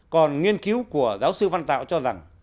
còn nghiên cứu của giáo sư văn tạo cho rằng